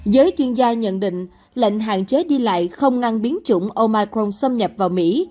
giới chuyên gia nhận định lệnh hạn chế đi lại không ngăn biến chủng omicron xâm nhập vào mỹ